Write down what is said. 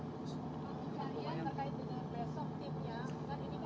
besok timnya kan ini kan